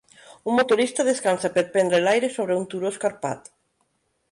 Un motorista descansa per prendre l'aire sobre un turó escarpat.